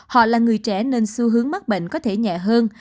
họ là người trẻ nên xu hướng mắc bệnh có thể nhẹ hơn